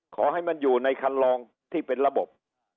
ขอให้มันอยู่ในคันลองที่เป็นระบบ